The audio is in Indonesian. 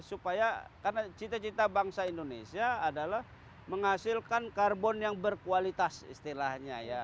supaya karena cita cita bangsa indonesia adalah menghasilkan karbon yang berkualitas istilahnya ya